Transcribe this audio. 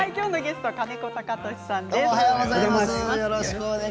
きょうのゲストは金子貴俊さんです。